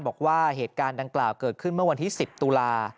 บอกว่าเหตุการณ์ดังกล่าวเกิดขึ้นเมื่อวันที่๑๐ตุลา